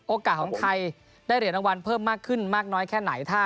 ของไทยได้เหรียญรางวัลเพิ่มมากขึ้นมากน้อยแค่ไหน